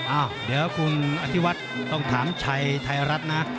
อ้าวเดี๋ยวคุณอธิวัฒน์ต้องถามชัยไทยรัฐนะ